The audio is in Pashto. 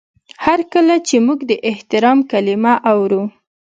هر کله چې موږ د احترام کلمه اورو.